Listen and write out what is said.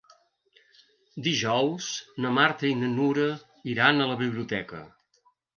Dijous na Marta i na Nura iran a la biblioteca.